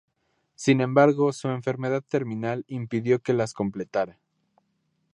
Sin embargo, su enfermedad terminal impidió que las completara.